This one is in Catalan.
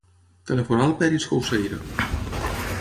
Telefona al Peris Couceiro.